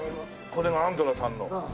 これがアンドラさんの？